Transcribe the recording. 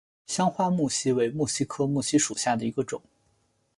香花木犀为木犀科木犀属下的一个种。